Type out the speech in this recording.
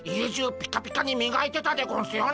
ピカピカにみがいてたゴンスよなっ。